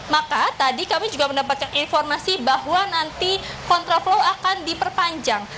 maka tadi kami juga mendapatkan informasi bahwa nanti kontraflow akan diperpanjang